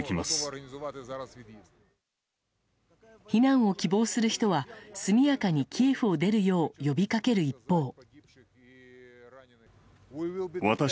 避難を希望する人は速やかにキエフを出るよう呼びかける一方。